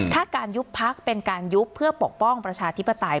ถ้าการยุบพักเป็นการยุบเพื่อปกป้องประชาธิปไตย